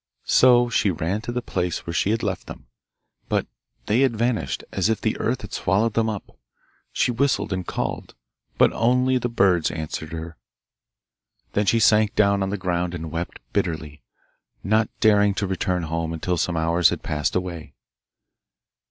So she ran to the place where she had left them, but they had vanished as if the earth had swallowed them up. She whistled and called, but only the birds answered her. Then she sank down on the ground and wept bitterly, not daring to return home until some hours had passed away.